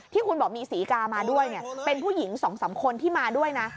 ที่คุณบอกมีศรีกามาด้วยเป็นผู้หญิง๒๓คนที่มาด้วยนะ